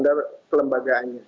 lalu kemudian standar kelembagaannya